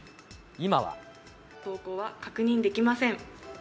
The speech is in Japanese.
投稿は確認できません。